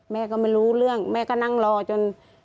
แม่ก็ไม่รู้เรื่องแม่ก็นั่งรอจน